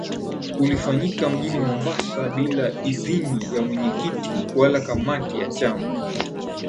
Ulifanyika mjini Mombasa bila idhini ya mwenyekiti wala kamati ya chama